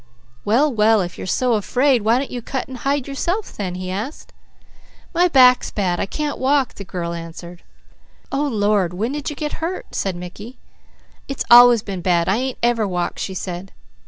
"Well well ! If you're so afraid, why don't you cut and hide yourself then?" he asked. "My back's bad. I can't walk," the child answered. "Oh Lord!" said Mickey. "When did you get hurt?" "It's always been bad. I ain't ever walked," she said.